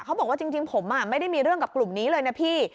เขาบอกว่าจริงผมไม่ได้มีเรื่องกับกลุ่มนี้เลยนะพี่